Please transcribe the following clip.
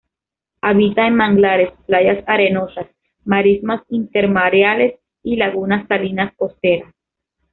Habita en manglares, playas arenosas, marismas intermareales y lagunas salinas costeras.